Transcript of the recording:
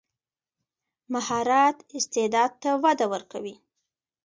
مهارت استعداد ته وده ورکوي.